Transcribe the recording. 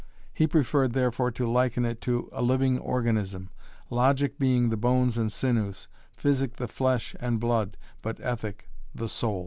He preferred therefore to liken it to a living organism, logic being the bones and sinews, physic the flesh and blood, but ethic the soul.